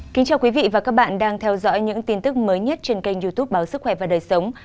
kính chào quý vị và các bạn đang theo dõi những tin tức mới nhất trên kênh youtube báo sức khỏe và đời sống